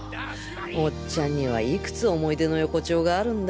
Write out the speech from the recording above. おっちゃんにはいくつ思い出の横丁があるんだ？